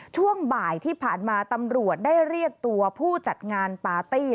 ช่วงบ่ายที่ผ่านมาตำรวจได้เรียกตัวผู้จัดงานปาร์ตี้